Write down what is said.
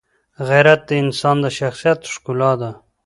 غیرت د انسان د شخصیت ښکلا ده.